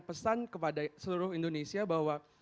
pesan kepada seluruh indonesia bahwa